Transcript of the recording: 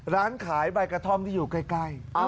ร้านขายใบกระท่อมที่อยู่ใกล้